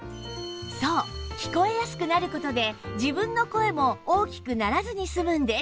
そう聞こえやすくなる事で自分の声も大きくならずに済むんです